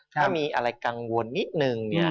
ถ้ามีอะไรกังวลนิดนึง